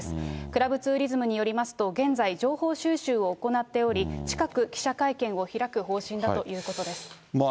クラブツーリズムによりますと、現在、情報収集を行っており、近く、記者会見を開く方針だということです。